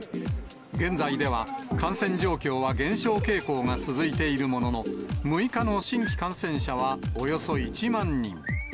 現在では感染状況は減少傾向が続いているものの、６日の新規感染者はおよそ１万人。